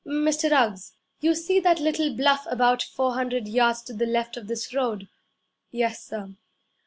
'Mr. Ruggs, you see that little bluff about four hundred yards to the left of this road?' 'Yes, sir.'